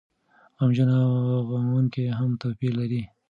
غمجنه او غموونکې هم توپير لري.